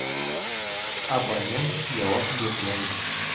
Абонент яуап бирмәй